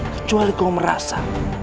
kecuali kau merasa